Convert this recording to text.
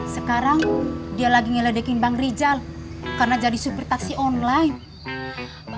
sekarang dia lagi ngeledekin bang rijal karena jadi supir taksi online